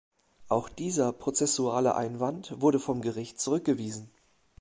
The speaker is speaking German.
Auch dieser prozessuale Einwand wurde vom Gericht zurückgewiesen.